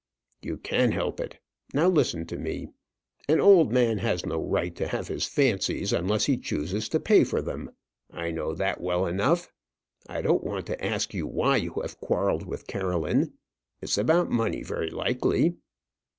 "You can help it. Now listen to me. An old man has no right to have his fancies unless he chooses to pay for them. I know that well enough. I don't want to ask you why you have quarrelled with Caroline. It's about money, very likely?"